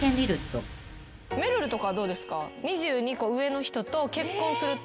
めるるとかどうですか？